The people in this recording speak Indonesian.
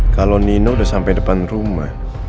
kalo nino udah sampe depan rumah